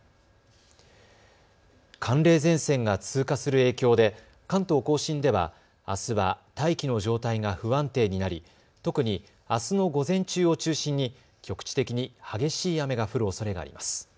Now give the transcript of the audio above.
寒冷前線が通過する影響で関東甲信ではあすは大気の状態が不安定になり特にあすの午前中を中心に局地的に激しい雨が降るおそれがあります。